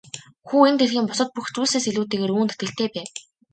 Хүү энэ дэлхийн бусад бүх зүйлсээс илүүтэйгээр үүнд итгэлтэй байв.